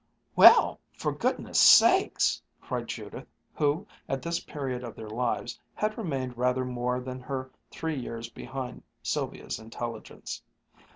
"Well, for goodness' sakes!" cried Judith, who, at this period of their lives, had remained rather more than her three years behind Sylvia's intelligence.